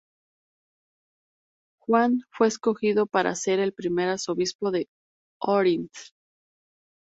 Juan fue escogido para ser el primer arzobispo de Ohrid.